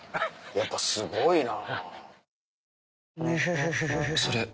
やっぱすごいな。